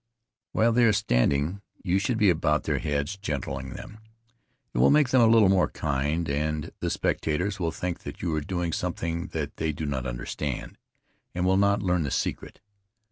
While they are standing you should be about their heads, gentling them; it will make them a little more kind, and the spectators will think that you are doing something that they do not understand, and will not learn the secret.